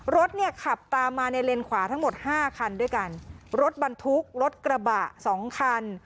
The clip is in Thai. รถเนี่ยขับตามมาในเลนขวาทั้งหมดห้าคันด้วยกันรถบรรทุกรถกระบะสองคัน